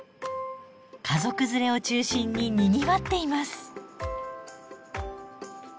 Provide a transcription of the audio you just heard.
家族連れを中心ににぎわっています。